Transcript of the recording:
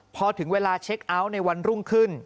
พอถึงเวลาเช็คเอาท์ในวันรุ่งขึ้น